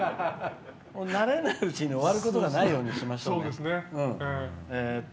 慣れないうちに終わることがないようにしましょう。